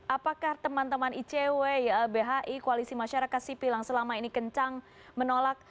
apakah teman teman icw ylbhi koalisi masyarakat sipil yang selama ini kencang menolak